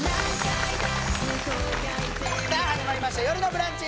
さあ始まりました「よるのブランチ」